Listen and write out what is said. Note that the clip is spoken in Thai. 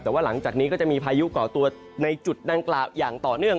แต่ว่าหลังจากนี้ก็จะมีพายุก่อตัวในจุดดังกล่าวอย่างต่อเนื่อง